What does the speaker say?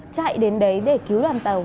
chạy đến đấy để cứu đoàn tàu